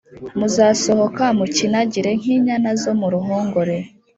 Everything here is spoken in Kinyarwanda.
muzasohoka mukinagire nk inyana zo muru hongore